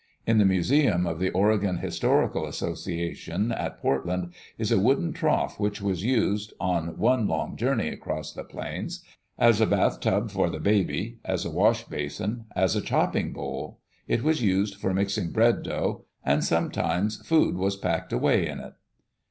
In the museum of the Oregon Historical Association, at Portland, Is a wooden trough which was used, on one long journey across the plains, as a bathtub for the baby; as a wash basin; as a chopping bowl; It was used for mixing bread dough; and sometimes food was packed away In It.